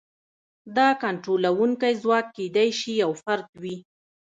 دا کنټرولونکی ځواک کېدای شي یو فرد وي.